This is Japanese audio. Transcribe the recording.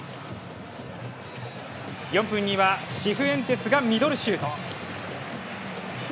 ４分にはシフエンテスがミドルシュート。